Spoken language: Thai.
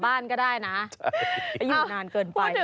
พลึ้น